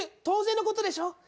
当然のことでしょ。